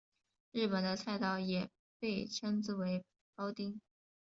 日本的菜刀也被称之为庖丁。